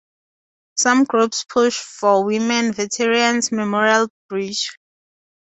Some groups pushed for "Women Veterans Memorial Bridge".